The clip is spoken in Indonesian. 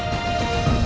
maka juga menenun